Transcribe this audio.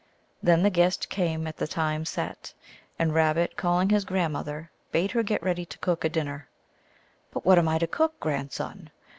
Then the guest came at the time set, and Rabbit, calling his grandmother, bade her get ready to cook a dinner. " But what am I to cook, grandson